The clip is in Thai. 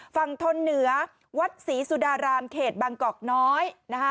ทนเหนือวัดศรีสุดารามเขตบางกอกน้อยนะคะ